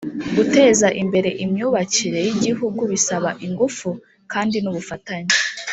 guteza imbere imyubakire y igihugu bisaba ingufu kandi nubufatanye